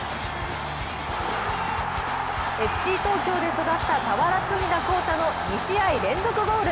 ＦＣ東京で育った俵積田晃太の２試合連続ゴール。